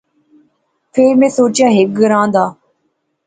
فیر میں سوچیا ہیک گراں دا